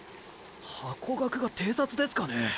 ハコガクが偵察ですかね。